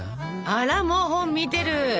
あらもう本見てる！